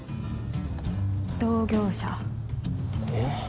同業者えっ？